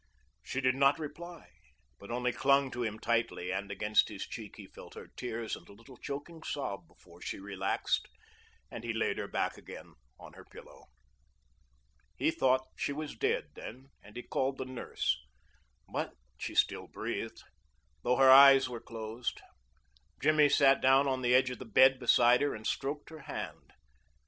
She did not reply, but only clung to him tightly, and against his cheek he felt her tears and a little choking sob before she relaxed, and he laid her back again on her pillow. He thought she was dead then and he called the nurse, but she still breathed, though her eyes were closed. Jimmy sat down on the edge of the bed beside her and stroked her hand.